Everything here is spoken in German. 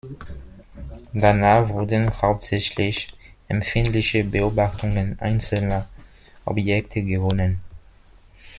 Danach wurden hauptsächlich empfindliche Beobachtungen einzelner Objekte gewonnen.